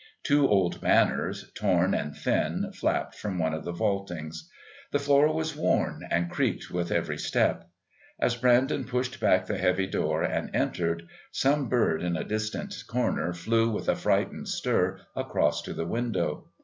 Two old banners, torn and thin, flapped from one of the vaultings. The floor was worn, and creaked with every step. As Brandon pushed back the heavy door and entered, some bird in a distant corner flew with a frightened stir across to the window.